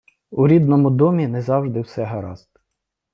У рідному домі не завжди все гаразд.